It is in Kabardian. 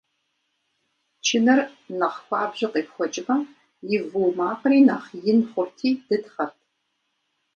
Чыныр нэхъ хуабжьу къепхуэкӀмэ, и вуу макъри нэхъ ин хъурти дытхъэрт.